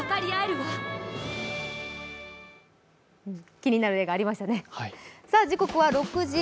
気になる映画ありましたね。